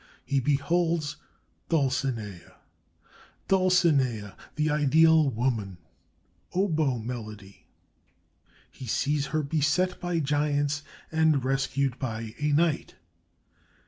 He beholds Dulcinea Dulcinea, the ideal woman (oboe melody); he sees her beset by giants and rescued by a knight.